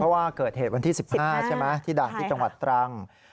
เพราะว่าเกิดเหตุวันที่๑๕ใช่ไหมที่ด่านที่จังหวัดตรัง